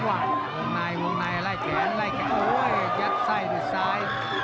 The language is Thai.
วงในวงในไล่แขนไล่แขนโอ้ยยัดไส้ด้วยซ้าย